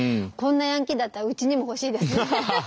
こんなヤンキーだったらうちにも欲しいです。